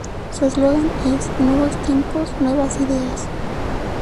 Su eslogan es "Nuevos tiempos, nuevas ideas".